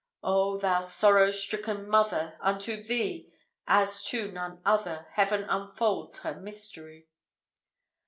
O, thou sorrow stricken mother! Unto thee, as to none other, Heaven unfolds her mystery."